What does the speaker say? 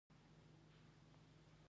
ازادي راډیو د ټولنیز بدلون ته پام اړولی.